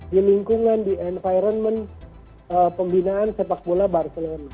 di lingkungan di environment pembinaan sepak bola barcelona